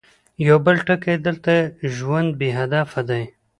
يو بل ټکی، دلته ژوند بې هدفه دی.